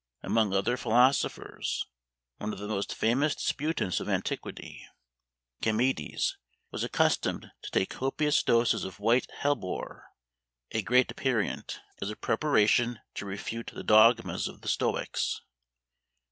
Among other philosophers, one of the most famous disputants of antiquity, Carneades, was accustomed to take copious doses of white hellebore, a great aperient, as a preparation to refute the dogmas of the stoics.